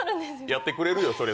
やってくれるよ、そりゃ。